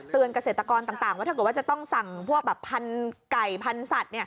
เตือนเกษตรกรต่างว่าจะต้องสั่งพลันไก่พลันสัตว์